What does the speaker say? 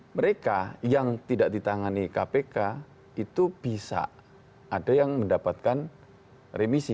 mereka yang tidak ditangani kpk itu bisa ada yang mendapatkan remisi